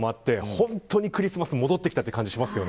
本当に、クリスマスが戻ってきた感じがしますね。